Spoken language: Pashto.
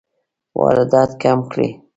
واردات کم کړئ